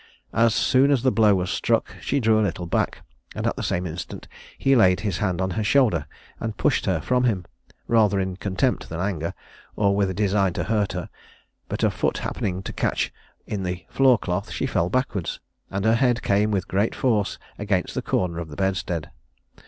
As soon as the blow was struck she drew a little back; and at the same instant he laid his hand on her shoulder, and pushed her from him, rather in contempt than anger, or with a design to hurt her; but her foot happening to catch in the floor cloth, she fell backwards, and her head came with great force against the corner of the bedstead.